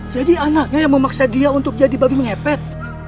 jadi anaknya yang memaksa dia untuk jadi babi ngepet